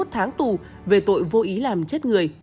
hai mươi tháng tù về tội vô ý làm chết người